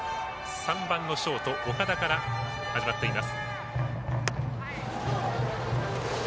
３番のショート、岡田から始まっています。